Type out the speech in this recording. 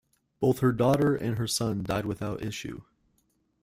Both her daughter and son died without issue.